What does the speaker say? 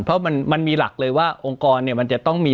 เพราะมันมีหลักเลยว่าองค์กรเนี่ยมันจะต้องมี